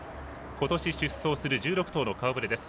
今年出走する１６頭の顔ぶれです。